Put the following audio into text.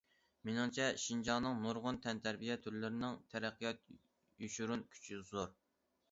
مېنىڭچە، شىنجاڭنىڭ نۇرغۇن تەنتەربىيە تۈرلىرىنىڭ تەرەققىيات يوشۇرۇن كۈچى زور.